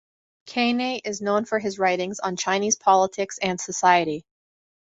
Quesnay is known for his writings on Chinese politics and society.